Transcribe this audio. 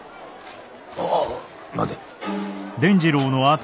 ああ待て。